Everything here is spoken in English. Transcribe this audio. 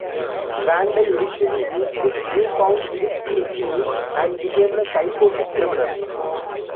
Crandell initially used his newfound gift to steal, and became a psychotic criminal.